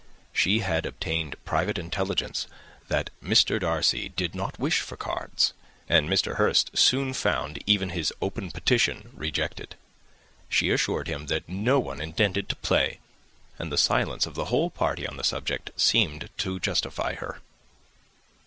She had obtained private intelligence that Mr. Darcy did not wish for cards, and Mr. Hurst soon found even his open petition rejected. She assured him that no one intended to play, and the silence of the whole party on the subject seemed to justify her.